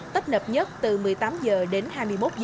tấp nập nhất từ một mươi tám h đến hai mươi một h